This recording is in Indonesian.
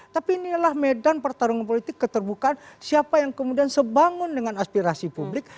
tapi inilah medan pertarungan politik keterbukaan siapa yang kemudian sebangun dengan aspirasi publik